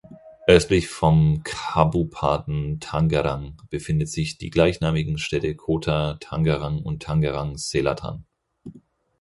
Östlich vom Kabupaten Tangerang befinden sich die gleichnamigen Städte (Kota) Tangerang und Tangerang Selatan.